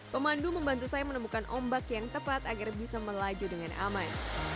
pemandu membantu saya menemukan ombak yang tepat agar bisa melaju dengan aman